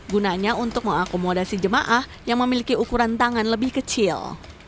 gunanya untuk mengakomodasi jemaah yang memiliki ukuran tangan lebih kecil